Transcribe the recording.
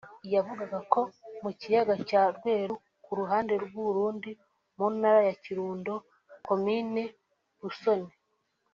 yavugaga ko mu kiyaga cya Rweru ku ruhande rw’u Burundi mu ntara ya Kirundo komini Busoni